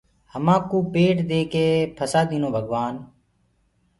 همآنڪو پيٽ ديڪي ڦسآ دينو توڀگوآن